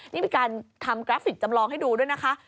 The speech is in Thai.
นี่มีการทำกราฟิกจำลองให้ดูด้วยนะคะ